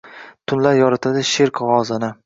Tunlar yoritadi sheʼr qogʻozini